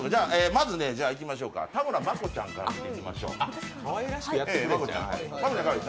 まず、田村真子ちゃんから見ていきましょう。